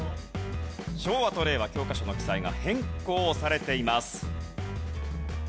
昭和と令和教科書の記載が変更されています。